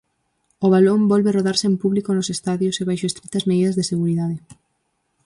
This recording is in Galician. O balón volve rodar sen público nos estadios e baixo estritas medidas de seguridade.